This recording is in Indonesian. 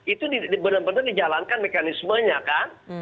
itu benar benar dijalankan mekanismenya kan